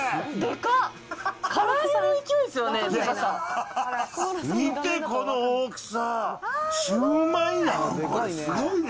から揚げの勢いですよね。